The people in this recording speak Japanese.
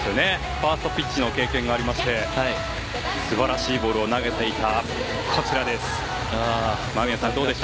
ファーストピッチングの経験がありまして素晴らしいボールを投げていました。